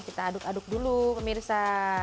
kita aduk aduk dulu pemirsa